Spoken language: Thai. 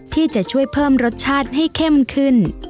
ที่จะช่วยเพิ่มรสชาติให้เข้มขึ้น